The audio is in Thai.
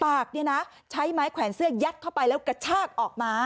ปากเนี่ยนะใช้ไม้แขวนเสื้อยัดเข้าไปแล้วกระชากออกมา